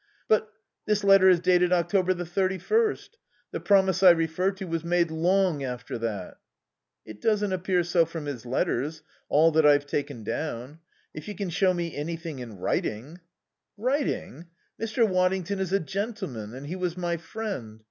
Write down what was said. "But this letter is dated October the thirty first. The promise I refer to was made long after that." "It doesn't appear so from his letters all that I've taken down. If you can show me anything in writing " "Writing? Mr. Waddington is a gentleman and he was my friend.